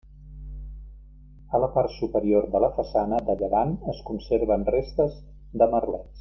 A la part superior de la façana de llevant es conserven restes de merlets.